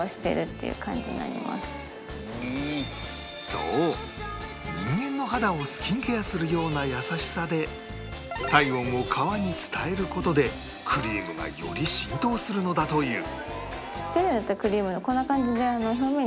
そう人間の肌をスキンケアするような優しさで体温を革に伝える事でクリームがより浸透するのだという